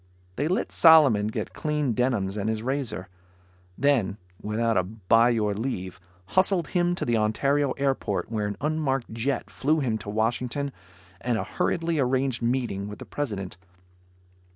They let Solomon get clean denims and his razor. Then without a bye your leave, hustled him to the Ontario airport where an unmarked jet flew him to Washington and a hurriedly arranged meeting with the President.